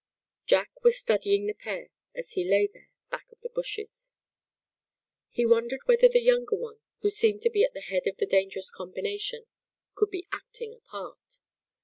Jack was studying the pair as he lay there back of the bushes. He wondered whether the younger one, who seemed to be at the head of the dangerous combination, could be acting a part.